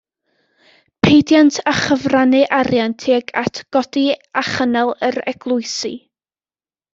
Peidiant â chyfrannu arian tuag at godi a chynnal yr eglwysi.